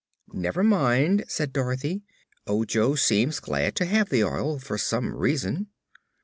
"Never mind," said Dorothy. "Ojo seems glad to have the oil, for some reason."